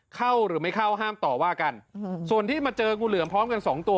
เข้าหรือไม่เข้าห้ามต่อว่ากันส่วนที่มาเจองูเหลือมพร้อมกันสองตัว